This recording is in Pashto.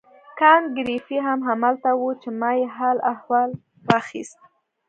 کانت ګریفي هم همالته وو چې ما یې حال و احوال واخیست.